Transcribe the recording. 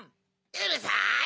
うるさい！